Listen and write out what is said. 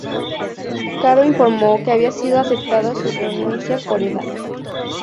Caro informó que había sido aceptada su renuncia por edad.